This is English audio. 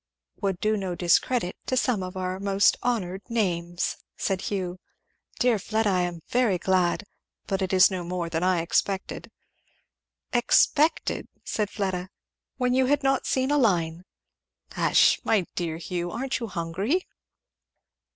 "'Would do no discredit to some of our most honoured names'!" said Hugh. "Dear Fleda, I am very glad! But it is no more than I expected." "Expected!" said Fleda. "When you had not seen a line! Hush My dear Hugh, aren't you hungry?"